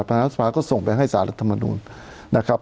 รัฐสภาก็ส่งไปให้สารรัฐมนุนนะครับ